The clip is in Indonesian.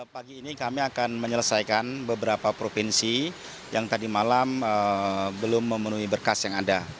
pagi ini kami akan menyelesaikan beberapa provinsi yang tadi malam belum memenuhi berkas yang ada